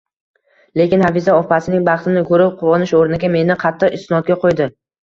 Lekin Hafiza opasining baxtini ko`rib quvonish o`rniga, meni qattiq isnodga qo`ydi